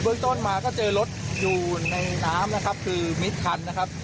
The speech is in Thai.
เรื่องต้นมาก็เจอรถอยู่ในน้ำนะครับคือมิดคันนะครับ